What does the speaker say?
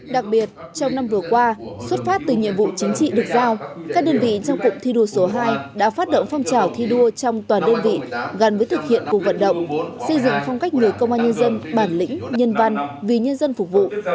đặc biệt trong năm vừa qua xuất phát từ nhiệm vụ chính trị được giao các đơn vị trong cụm thi đua số hai đã phát động phong trào thi đua trong toàn đơn vị gắn với thực hiện cuộc vận động xây dựng phong cách người công an nhân dân bản lĩnh nhân văn vì nhân dân phục vụ